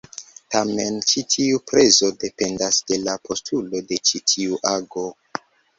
Tamen ĉi tiu prezo dependas de la postulo de ĉi tiu ago.